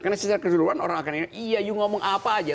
karena secara keseluruhan orang akan bilang iya kamu ngomong apa aja